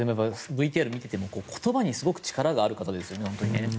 ＶＴＲを見てても言葉にすごく力がある方ですよね。